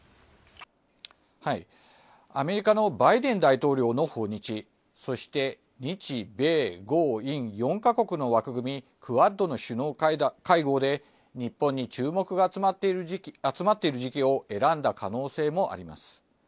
アメリカのバイデン大統領の訪日、そして、日米豪印４か国の枠組み、クアッドの首脳会合で、日本に注目が集まっている時期を選んだ可能性もあります。